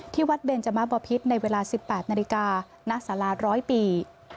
ที่วัดเบนจมะบพิษในเวลา๑๘นาฬิกาณสารา๑๐๐ปี